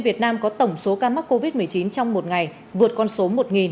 việt nam có tổng số ca mắc covid một mươi chín trong một ngày vượt con số một